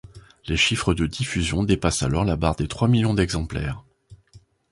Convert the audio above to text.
Les chiffres de diffusion dépasse alors la barre des trois millions d'exemplaires.